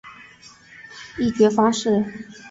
议决方式